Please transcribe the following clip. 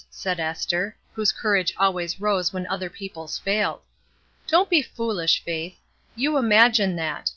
said Esther, whose courage always rose when other people's failed. ''Don't be foolish, Faith. You imagine that.